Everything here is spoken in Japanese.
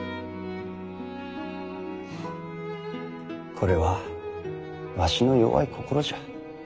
これはわしの弱い心じゃ。